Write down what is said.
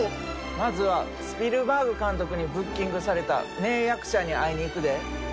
まずはスピルバーグ監督にブッキングされた名役者に会いに行くで。